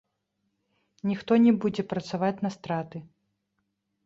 Ніхто не будзе працаваць на страты.